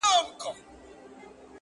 ددې نړۍ وه ښايسته مخلوق ته!!